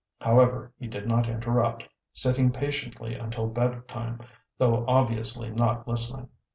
However, he did not interrupt, sitting patiently until bedtime, though obviously not listening.